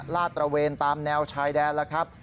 ลาดตระเวนตามแนวชายแดนแล้วครับ